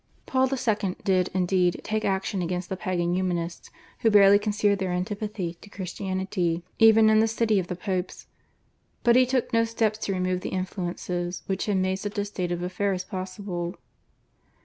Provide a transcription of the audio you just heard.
Paul II. did, indeed, take action against the Pagan Humanists who barely concealed their antipathy to Christianity even in the city of the Popes, but he took no steps to remove the influences which had made such a state of affairs possible.